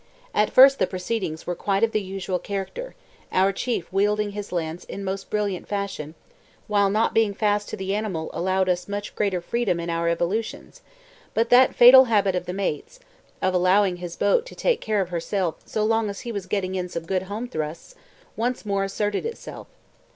At first the proceedings were quite of the usual character, our chief wielding his lance in most brilliant fashion, while not being fast to the animal allowed us much greater freedom in our evolutions; but that fatal habit of the mate's of allowing his boat to take care of herself so long as he was getting in some good home thrusts once more asserted itself.